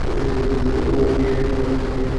ও কি এখন তোমার ঘোড়া?